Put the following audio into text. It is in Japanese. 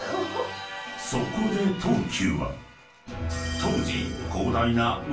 ［そこで東急は当時］